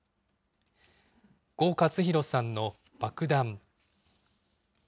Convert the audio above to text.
呉勝浩さんの爆弾。